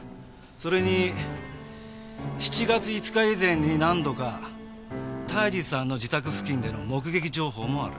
それに７月５日以前に何度か泰治さんの自宅付近での目撃情報もある。